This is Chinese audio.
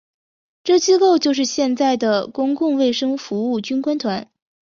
这机构就是现在的公共卫生服务军官团。